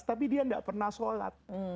tapi dia tidak pernah sholat